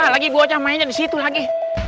lagi buah camainya disitu lagi